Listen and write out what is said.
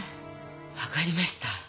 わかりました。